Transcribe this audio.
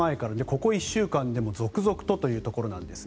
ここ１週間でも続々とということです。